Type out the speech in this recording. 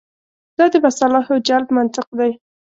دا د مصالحو جلب منطق دی.